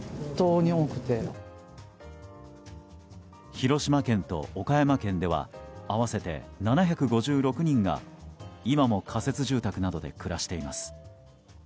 広島県と岡山県では合わせて７５６人が今も仮設住宅などで暮らしています。